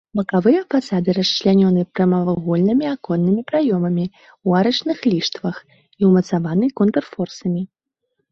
Бакавыя фасады расчлянёны прамавугольнымі аконнымі праёмамі ў арачных ліштвах і ўмацаваны контрфорсамі.